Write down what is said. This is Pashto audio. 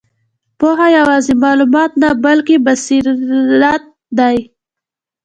پوهه یوازې معلومات نه، بلکې بصیرت دی.